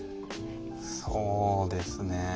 そうですね。